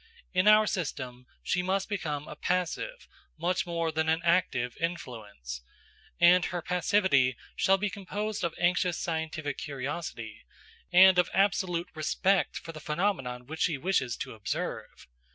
In our system, she must become a passive, much more than an active, influence, and her passivity shall be composed of anxious scientific curiosity, and of absolute respect for the phenomenon which she wishes to observe.